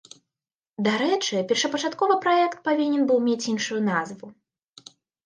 Дарэчы першапачаткова праект павінен быў мець іншую назву.